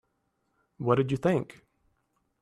What did you think?